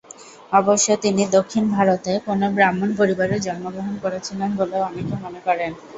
অবশ্য তিনি দক্ষিণ ভারতের কোন ব্রাহ্মণ পরিবারে জন্মগ্রহণ করেছিলেন বলেও অনেকে মনে করেন।